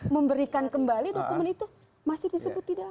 memberikan kembali dokumen itu masih disebut tidak